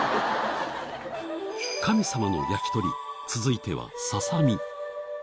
神様の焼き鳥、続いては、ささみ。